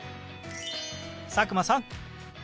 佐久間さん